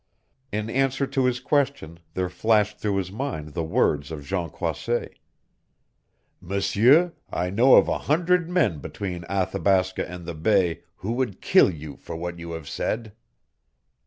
In answer to his question there flashed through his mind the words of Jean Croisset: "M'seur, I know of a hundred men between Athabasca and the bay who would kill you for what you have said."